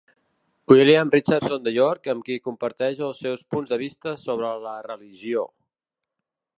William Richardson de York, amb qui comparteix els seus punts de vista sobre la religió.